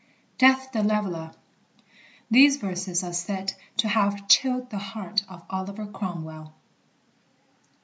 DEATH THE LEVELLER. [These verses are said to have "chilled the heart" of Oliver Cromwell.